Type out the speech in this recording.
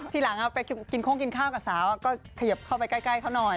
ทีหลังไปกินโค้งกินข้าวกับสาวก็เขยิบเข้าไปใกล้เขาหน่อย